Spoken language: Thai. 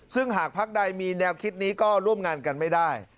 ซึ่งหากพักใดมีแนวคิดนี้ก็ร่วมงานกันไม่ได้